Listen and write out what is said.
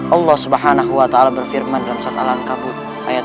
allah swt berfirman dalam sholat alam kabur ayat empat puluh lima